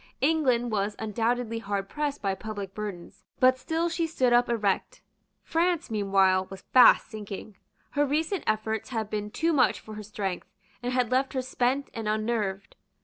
England was undoubtedly hard pressed by public burdens; but still she stood up erect. France meanwhile was fast sinking. Her recent efforts had been too much for her strength, and had left her spent and unnerved.